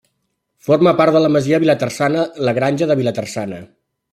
Forma part de la masia de Vilaterçana la Granja de Vilaterçana.